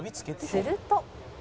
「すると」